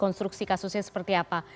konstruksi kasusnya seperti apa